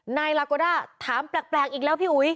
นายลาโกด้าถามแปลกอีกแล้วพี่อุ๋ย